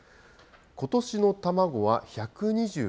ことしの卵は１２３個。